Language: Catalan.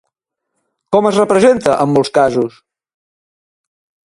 Com es representa en molts casos?